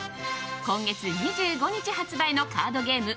今月２５日発売のカードゲーム